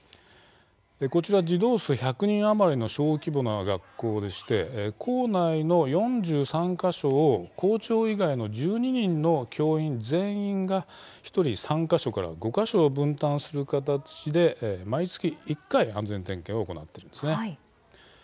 こちら、児童数１００人余りの小規模の学校でして校内の４３か所を校長以外の１２人の教員全員が１人３か所から５か所分担する形で、毎月１回安全点検を行っているんです。